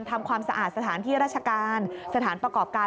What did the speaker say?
ทำความสะอาดสถานที่ราชการสถานประกอบการ